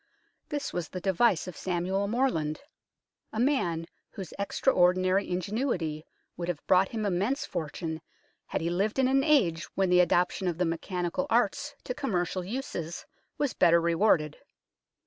This was the device of Samuel Morland, a A LOST INVENTION 205 man whose extraordinary ingenuity would have brought him immense fortune had he lived in an age when the adoption of the mechanical arts to commercial uses was better rewarded.